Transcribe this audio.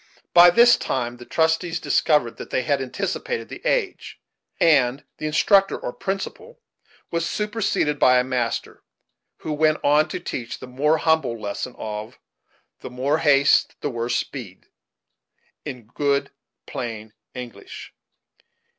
By this time the trustees discovered that they had anticipated the age and the instructor, or principal, was superseded by a master, who went on to teach the more humble lesson of "the more haste the worst speed," in good plain English.